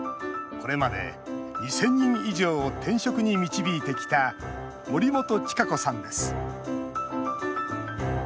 これまで２０００人以上を転職に導いてきた森本千賀子さんです。